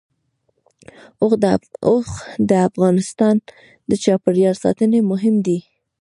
اوښ د افغانستان د چاپیریال ساتنې لپاره مهم دي.